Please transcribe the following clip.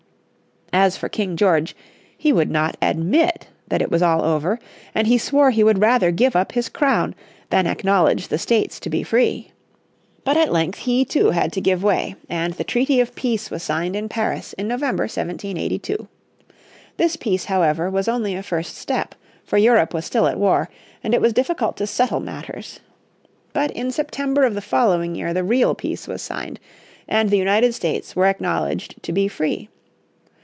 As for King George, he would not admit that it was all over, and he swore he would rather give up his crown than acknowledge the States to be free. But at length he, too, had to give way, and the treaty of peace was signed in Paris in November, 1782. This Peace, however, was only a first step, for Europe was still at war, and it was difficult to settle matters. But in September of the following year the real peace was signed, and the United States were acknowledged to be free.